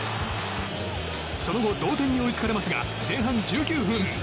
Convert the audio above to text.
その後、同点に追いつかれますが前半１９分。